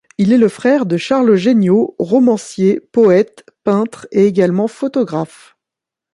Il est le frère de Charles Géniaux, romancier, poète, peintre et également photographe.